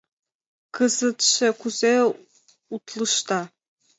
— Кызытше кузе утлышда?